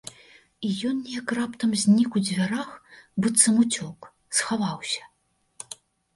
І ён неяк раптам знік у дзвярах, быццам уцёк, схаваўся.